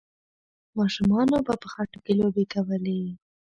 ماشومانو به په خټو کې لوبې کولې.